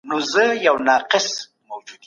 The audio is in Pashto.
که ته وغواړي نو موږ به یو ځای تمرین وکړو.